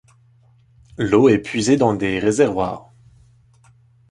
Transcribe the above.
L'eau est puisée dans des réservoirs.